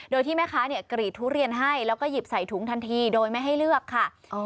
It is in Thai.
โดยที่แม่ค้ากรีดทุเรียนให้แล้วก็หยิบใส่ถุงทันทีโดยไม่ให้เลือกค่ะ